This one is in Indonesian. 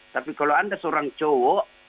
tapi kalau anda seorang cowok